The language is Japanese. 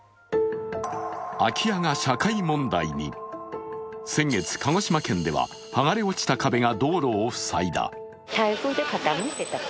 空き家が社会問題に、先月、鹿児島県では剥がれ落ちた壁が道路を塞いだ。